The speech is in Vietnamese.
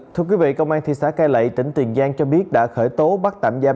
thưa quý vị công an thị xã cai lệ tỉnh tiền giang cho biết đã khởi tố bắt tạm giam